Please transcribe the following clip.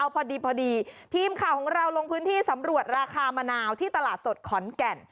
พอดีพอดีทีมข่าวของเราลงพื้นที่สำรวจราคามะนาวที่ตลาดสดขอนแก่น